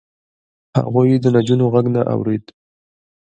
هغوی د نجونو غږ نه اورېد.